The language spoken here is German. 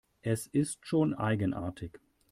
Es ist schon eigenartig.